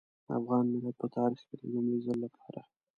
افغان ملت په تاريخ کې د لومړي ځل لپاره.